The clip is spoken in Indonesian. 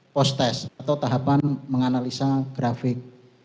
post test atau tahapan menganalisa grafik